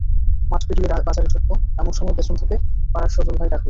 মাঠ পেরিয়ে বাজারে ঢুকব, এমন সময় পেছন থেকে পাড়ার সজল ভাই ডাকলেন।